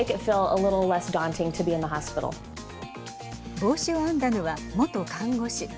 帽子を編んだのは元看護師。